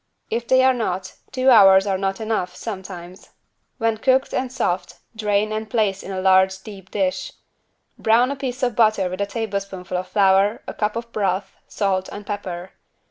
If they are not, two hours are not enough, sometimes. When cooked and soft, drain and place in a large deep dish. Brown a piece of butter with a tablespoonful of flour, a cup of broth, salt and pepper.